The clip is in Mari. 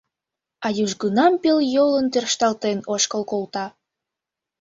А южгунам пел йолын тӧршталтен ошкыл колта.